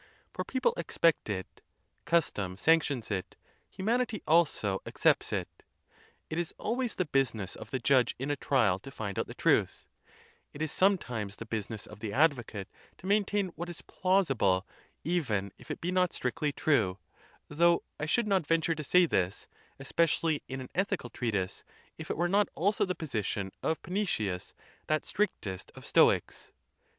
For people expect it ; custom sanctions it ; humanity also accepts it. It is always the business of the judge in a trial to find out the truth ; it is some times the business of the advocate to maintain what is plausible, even if it be not strictly true, though I should not venture to say this, especially in an ethical treatise, if it were not also the position of Panaetius, that strictest of Stoics.